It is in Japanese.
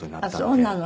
あっそうなの。